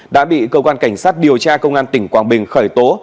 đã bị cơ quan cảnh sát điều tra công an tỉnh quảng bình khởi tố